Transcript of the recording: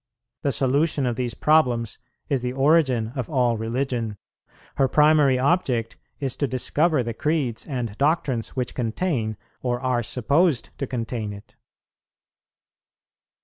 The solution of these problems is the origin of all religion; her primary object is to discover the creeds and doctrines which contain, or are supposed to contain it.